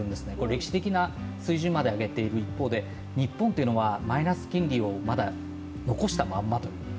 歴史的な水準まで上げている一方で、日本というのはマイナス金利をまだ残したまんまという。